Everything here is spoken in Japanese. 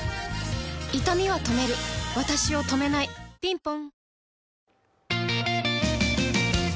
いたみは止めるわたしを止めないぴんぽん